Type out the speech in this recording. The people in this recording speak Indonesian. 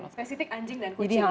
spesifik anjing dan kucing